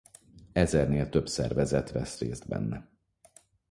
Ezernél több szervezet vesz részt benne.